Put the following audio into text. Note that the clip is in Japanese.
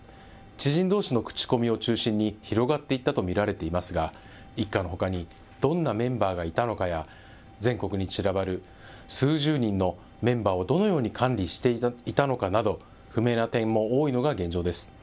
知人どうしの口コミを中心に、広がっていったと見られていますが、一家のほかにどんなメンバーがいたのかや、全国に散らばる数十人のメンバーをどのように管理していたのかなど、不明な点も多いのが現状です。